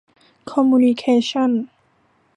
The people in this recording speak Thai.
คอมมูนิเคชั่น